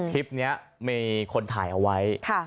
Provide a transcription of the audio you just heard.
คลิปนี้มีคนถ่ายเอาไว้